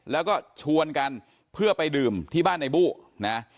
แล้วก็ชวนกันเพื่อไปดื่มที่บ้านในบู้นะ